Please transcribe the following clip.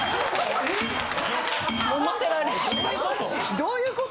どういうこと？